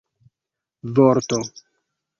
vorto